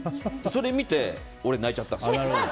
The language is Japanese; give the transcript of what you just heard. それを見て俺、泣いちゃったんです。